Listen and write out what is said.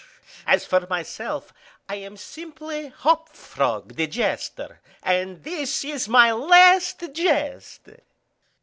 As for myself, I am simply Hop Frog, the jester—and this is my last jest."